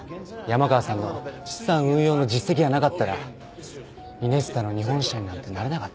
山川さんの資産運用の実績がなかったらイネスタの日本支社になんてなれなかったよ。